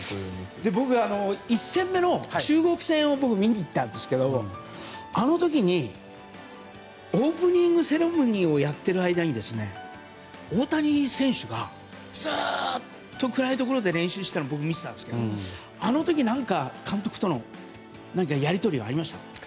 僕は１戦目の中国戦を見に行ったんですけどオープニングセレモニーをやってる時に大谷選手がずっと暗いところで練習していたのを僕は見ていたんですけど、あの時監督とのやり取りありましたか？